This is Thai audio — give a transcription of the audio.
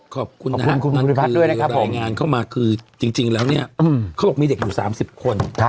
ขอบคุณนะครับคือรายงานเข้ามาคือจริงแล้วเนี่ยเขาก็มีเด็กอยู่สามสิบคน